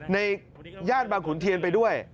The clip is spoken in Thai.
ย่านบางขุนเทียนไปด้วย